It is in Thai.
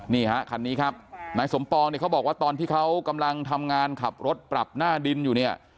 นี่ฮะคันนี้ครับนายสมปองเนี่ยเขาบอกว่าตอนที่เขากำลังทำงานขับรถปรับหน้าดินอยู่เนี่ย